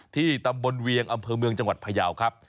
ที่ตำบลเวียงอำเภอเมืองจังหวัดพยาวครับ